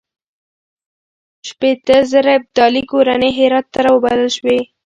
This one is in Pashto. شپېته زره ابدالي کورنۍ هرات ته راوبلل شوې.